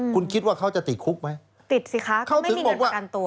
คุณคิดว่าเขาจะติดคุกไหม